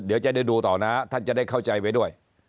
เดี๋ยวจะได้ดูต่อนะท่านจะได้เข้าใจไว้ด้วย